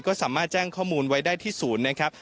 ก็สามารถแจ้งข้อมูลไว้ได้ที่ศูนย์นะครับ